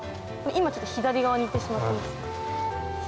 今ちょっと左側に行ってしまっています。